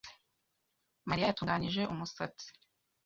Mariya yatunganije umusatsi .